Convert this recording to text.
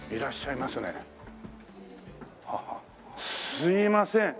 すいません。